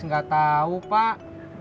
nggak tau pak